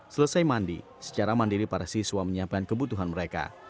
selesai mandi secara mandiri para siswa menyiapkan kebutuhan mereka